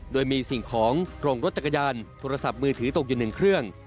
โดยมีสิ่งของโรงรถจักรยานโทรศัพท์มือถือตกอยู่๑เครื่อง